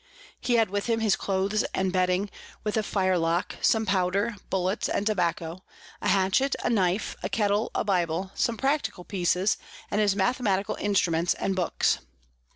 _] He had with him his Clothes and Bedding, with a Firelock, some Powder, Bullets, and Tobacco, a Hatchet, a Knife, a Kettle, a Bible, some practical Pieces, and his Mathematical Instruments and Books.